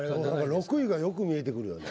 ６位がよく見えてくるよね。